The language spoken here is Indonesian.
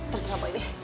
terserah pak ini